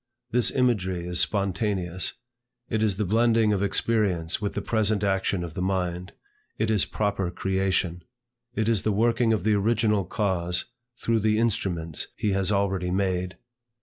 This imagery is spontaneous. It is the blending of experience with the present action of the mind. It is proper creation. It is the working of the Original Cause through the instruments he has already made.